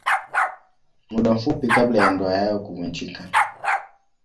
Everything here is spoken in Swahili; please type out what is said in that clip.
Muda mfupi kabla ya ndoa yao kuvunjika.